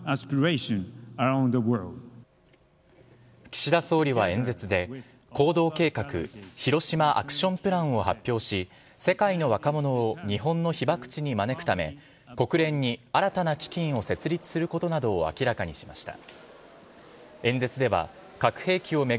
岸田総理は演説で、行動計画、ヒロシマアクションプランを発表し、世界の若者を日本の被爆地に招くため、国連に新たな基金を設立することなどを明らかにしました。